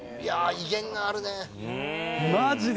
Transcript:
威厳があるね。